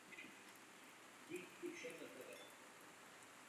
Byl ale velice rychle obnoven.